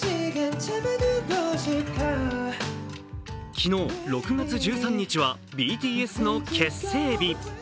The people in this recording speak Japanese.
昨日、６月１３日はＢＴＳの結成日。